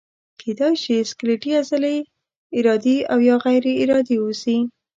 کیدای شي سکلیټي عضلې ارادي او یا غیر ارادي اوسي.